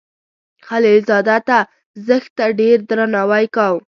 خلیل زاده ته زښت ډیر درناوی کاو.